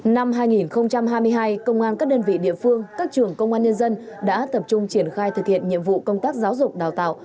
năm hai nghìn hai mươi hai công an các đơn vị địa phương các trường công an nhân dân đã tập trung triển khai thực hiện nhiệm vụ công tác giáo dục đào tạo